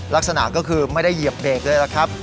ลักษณะก็คือไม่ได้เหยียบเบรกเลยล่ะครับ